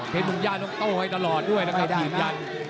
มุมย่าต้องโต้ไว้ตลอดด้วยนะครับยืนยัน